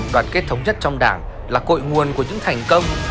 đoàn kết thống nhất trong đảng là cội nguồn của những thành công